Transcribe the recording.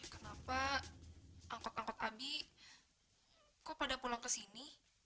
kenapa angkot angkot abi kok pada pulang kesini